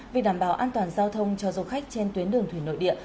vì đảm bảo an toàn giao thông cho du khách trên tuyến đường thủy nội địa